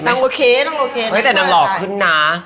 แต่นางหล่อขึ้นนะ